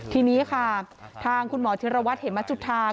ทีนี้ค่ะทางคุณหมอธิรวรรณวัฒน์เห็นมาจุดทาง